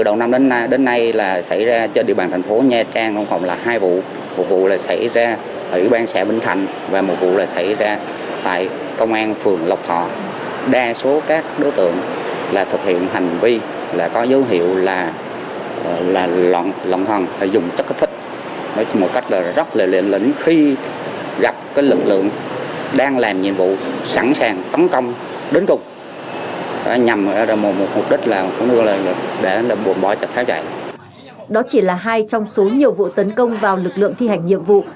đó chỉ là hai trong số nhiều vụ tấn công vào lực lượng thi hành nhiệm vụ